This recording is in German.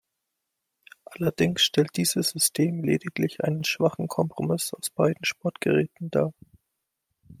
Allerdings stellt dieses System lediglich einen schwachen Kompromiss aus beiden Sportgeräten dar.